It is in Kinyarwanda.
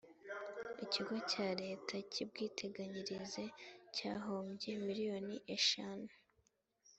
ikigo cya leta cy ubwiteganyirize cyahombye miriyoni ishantu.